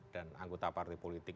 dan anggota partai politik